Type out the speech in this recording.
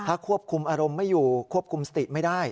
ถ้าควบคุมอารมณ์ไม่อยู่ควบคุมสติไม่ได้